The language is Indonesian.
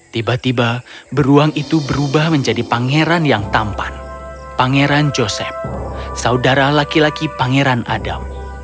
tiba tiba beruang itu berubah menjadi pangeran yang tampan pangeran joseph saudara laki laki pangeran adam